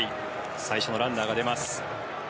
最初のランナーが出ます。